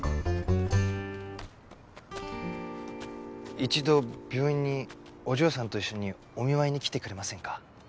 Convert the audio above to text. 一度病院にお嬢さんと一緒にお見舞いに来てくれませんか？